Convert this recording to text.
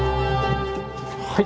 はい。